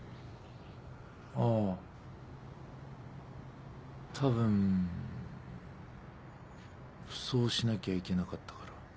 ああたぶんそうしなきゃいけなかったから？